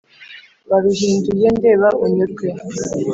Baruhinduye ndeba unyurwe